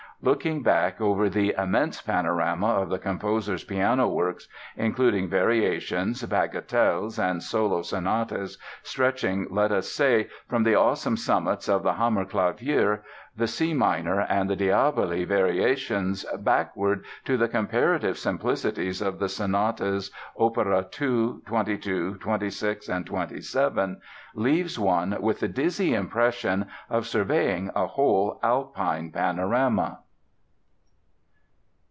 Looking back over the immense panorama of the composer's piano works (including variations, bagatelles, and solo sonatas) stretching, let us say, from the awesome summits of the "Hammerklavier," the C minor, and the "Diabelli" Variations backward to the comparative simplicities of the sonatas Opera 2, 22, 26, and 27 leaves one with the dizzy impression of surveying a whole Alpine panorama.